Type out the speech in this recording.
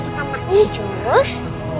sama ini cus